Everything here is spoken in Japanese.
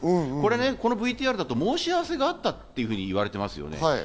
このＶＴＲだと、申し合わせがあったといわれています。